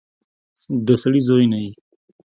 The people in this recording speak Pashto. د سړي زوی نه يې.